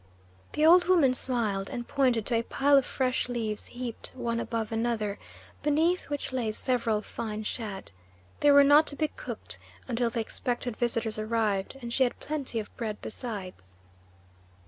The old woman smiled and pointed to a pile of fresh leaves heaped one above another, beneath which lay several fine shad. They were not to be cooked until the expected visitors arrived, and she had plenty of bread besides.